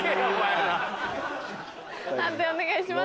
判定お願いします。